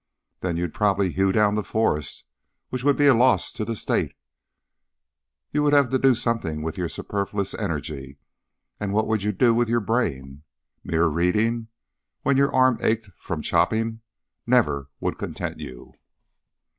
"Then you'd probably hew down the forest, which would be a loss to the State: you would have to do something with your superfluous energy. And what would you do with your brain? Mere reading, when your arm ached from chopping, never would content you."